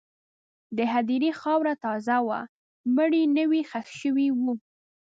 د هدیرې خاوره تازه وه، مړی نوی ښخ شوی و.